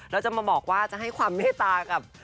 แล้วจะมาบอกว่าจะให้ความเมตตากับ